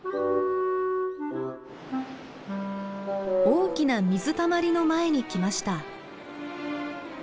大きな水たまりの前に来ました。